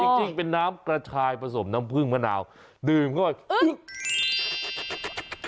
จริงเป็นน้ำกระชายผสมน้ำผึ้งมะนาวดื่มเข้าไปอึ๊ก